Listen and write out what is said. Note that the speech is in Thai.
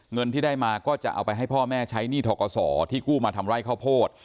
เงินที่ได้มาก็จะเอาไปให้พ่อแม่ใช้หนี้ทกศที่กู้มาทำไร่ข้าวโพด